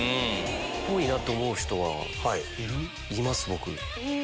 ぽいなと思う人はいます。